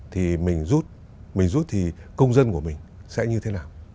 thì mình rút thì công dân của mình sẽ như thế nào